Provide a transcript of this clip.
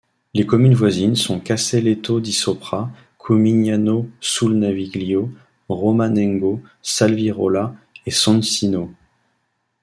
Les communes voisines sont Casaletto di Sopra, Cumignano sul Naviglio, Romanengo, Salvirola et Soncino.